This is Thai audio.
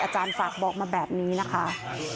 อาจารย์ฝากบอกมาแบบนี้นะคะ